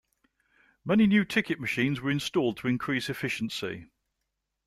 Many new ticket machines were installed to increase efficiency.